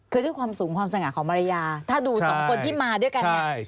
คือด้วยความสูงความสง่าของมารยาถ้าดูสองคนที่มาด้วยกันเนี่ย